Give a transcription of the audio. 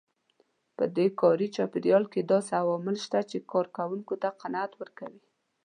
په کاري چاپېريال کې داسې عوامل شته چې کار کوونکو ته قناعت ورکوي.